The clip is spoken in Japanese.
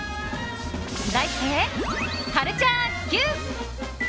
題してカルチャーＱ。